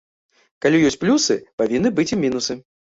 Калі ёсць плюсы, павінны быць і мінусы.